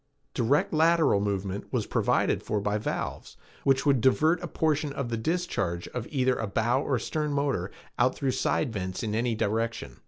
Direct lateral movement was provided for by valves which would divert a portion of the discharge of either a bow or stern motor out through side vents in any direction.